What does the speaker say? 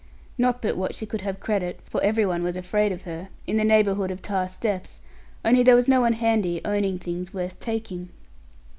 Not but what she could have credit (for every one was afraid of her) in the neighbourhood of Tarr steps; only there was no one handy owning things worth taking.